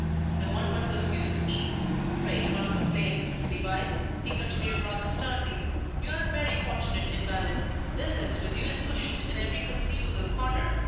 "No one but those you have seen. Pray do not complain, Mrs. Levice," he continued rather sternly. "You are a very fortunate invalid; illness with you is cushioned in every conceivable corner.